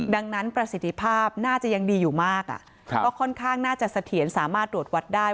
ดังนั้นประสิทธิภาพน่าจะยังดีอยู่มากก็ค่อนข้างน่าจะเสถียรสามารถตรวจวัดได้